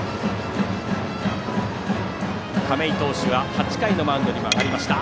亀井投手は８回のマウンドにも上がりました。